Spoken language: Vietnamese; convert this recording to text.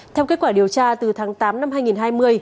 theo kết quả điều tra từ tháng tám năm hai nghìn hai mươi